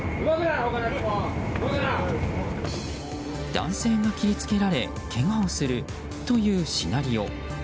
男性が切り付けられけがをするというシナリオ。